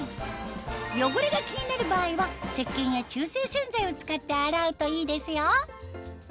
汚れが気になる場合は石鹸や中性洗剤を使って洗うといいですよ！